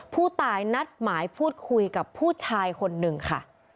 ผู้ตายนัดหมายพูดคุยกับผู้ชายคนหนึ่งค่ะ